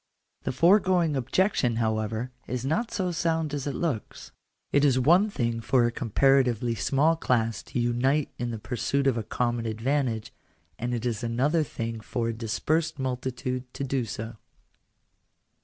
The foregoing objection, however, is not so sound as it looks. It is one thing for a comparatively small class to unite in the pursuit of a common advantage, and it is another thing for a dispersed multitude to do so.